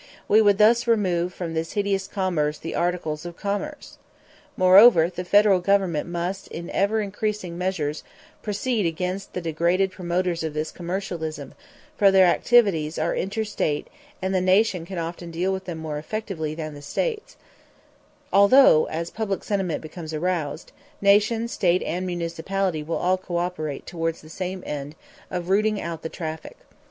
We would thus remove from this hideous commerce the articles of commerce. Moreover, the Federal Government must in ever increasing measure proceed against the degraded promoters of this commercialism, for their activities are inter State and the Nation can often deal with them more effectively than the States; although, as public sentiment becomes aroused, Nation, State, and municipality will all cooperate towards the same end of rooting out the traffic.